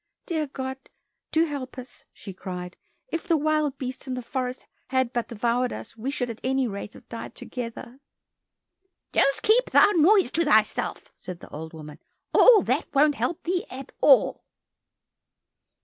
"Dear God, do help us," she cried. "If the wild beasts in the forest had but devoured us, we should at any rate have died together." "Just keep thy noise to thyself," said the old woman, "all that won't help thee at all."